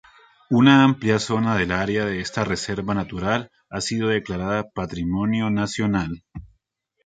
Una amplia zona del área de esta reserva natural ha sido declarada Patrimonio Nacional.